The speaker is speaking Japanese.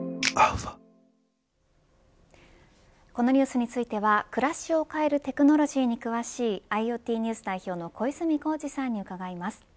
このニュースについては暮らしを変えるテクノロジーに詳しいＩｏＴＮＥＷＳ代表の小泉耕二さんに伺います。